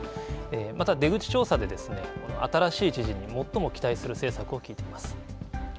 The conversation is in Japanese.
また出口調査では新しい知事に最も期待する政策を聞いています。